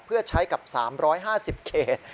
เพื่อใช้กับ๓๕๐เขต